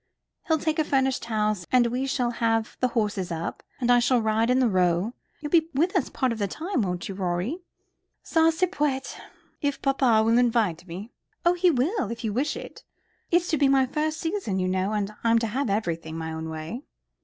He'll take a furnished house, and we shall have the horses up, and I shall ride in the Row, You'll be with us part of the time, won't you, Rorie?" "Ça se peut. If papa will invite me." "Oh, he will, if I wish it. It's to be my first season, you know, and I'm to have everything my own way."